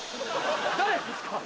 誰ですか？